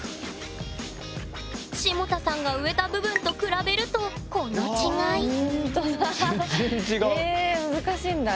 霜多さんが植えた部分と比べるとこの違いほんとだ。